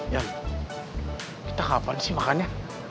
yan kita kapan sih makannya